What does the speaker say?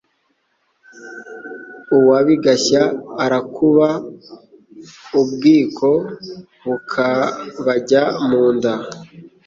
Uwa Bigashya arakuba ubwiko bukabajya mu nda.